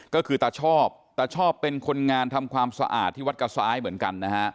ก็คือตาชอบตาชอบเป็นคนงานทำความสะอาดที่วัดกระซ้ายเหมือนกันนะฮะ